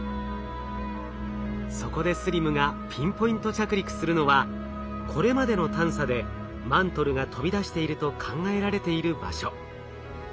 そこでＳＬＩＭがピンポイント着陸するのはこれまでの探査でマントルが飛び出していると考えられている場所。